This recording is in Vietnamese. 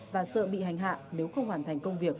và sợ bị hành hạ nếu không hoàn thành công việc